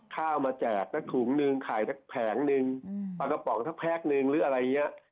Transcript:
ข้าวมาแจกแล้วถุงหนึ่งขายแผงหนึ่งปากกระป๋องหรือแพ้กหนึ่งหรืออะไรเงี้ย